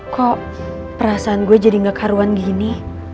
kok perasaan gue jadi gak karuan gini